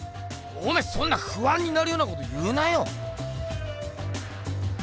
おめぇそんなふあんになるようなこと言うなよ！